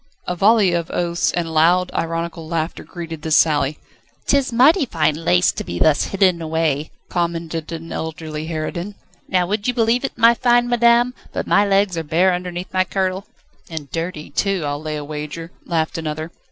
A volley of oaths and loud, ironical laughter greeted this sally. "'Tis mighty fine lace to be thus hidden away," commented an elderly harridan. "Now, would you believe it, my fine madam, but my legs are bare underneath my kirtle?" "And dirty, too, I'll lay a wager," laughed another.